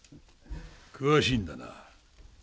詳しいんだな。